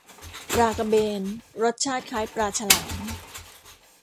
ปลากระเบน รสชาติคล้ายปลาฉลาม